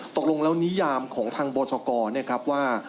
ตกลงแล้วนิยามของทางบศกรนะครับว่า